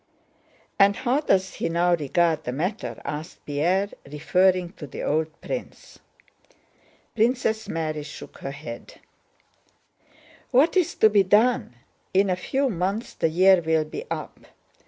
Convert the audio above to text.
"And how does he now regard the matter?" asked Pierre, referring to the old prince. Princess Mary shook her head. "What is to be done? In a few months the year will be up.